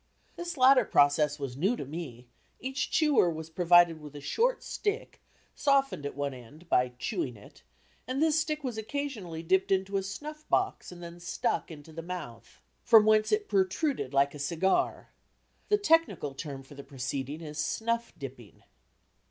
This latter process was new to me; each chewer was provided with a short stick, softened at one end, by chewing it, and this stick was occasionally dipped into a snuff box and then stuck into the mouth, from whence it protruded like a cigar. The technical term for the proceeding is "snuff dipping."